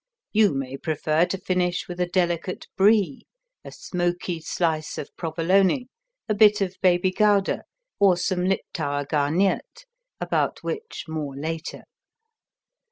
You may prefer to finish with a delicate Brie, a smoky slice of Provolone, a bit of Baby Gouda, or some Liptauer Garniert, about which more later.